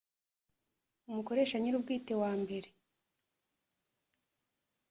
umukoresha nyirubwite wa mbere